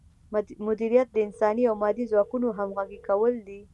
مدیریت د انساني او مادي ځواکونو همغږي کول دي.